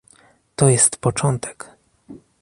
To jest początek